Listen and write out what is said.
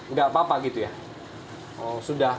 nggak apa apa gitu ya